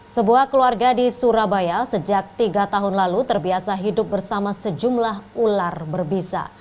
sebuah keluarga di surabaya sejak tiga tahun lalu terbiasa hidup bersama sejumlah ular berbisa